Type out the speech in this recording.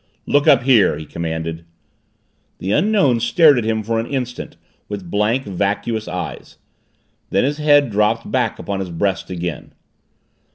"Look up here!" he commanded. The Unknown stared at him for an instant with blank, vacuous eyes. Then his head dropped back upon his breast again.